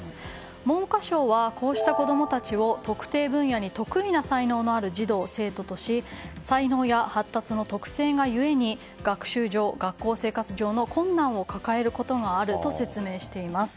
文科省はこうした子供たちを特定分野に特異な才能のある児童・生徒とし才能や発達の特性が故に学習上、学校生活上の困難を抱えることがあると説明しています。